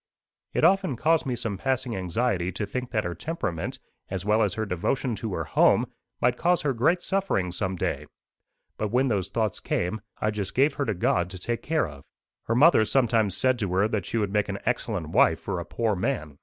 It often caused me some passing anxiety to think that her temperament, as well as her devotion to her home, might cause her great suffering some day; but when those thoughts came, I just gave her to God to take care of. Her mother sometimes said to her that she would make an excellent wife for a poor man.